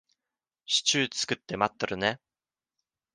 シチュー作って待ってるね。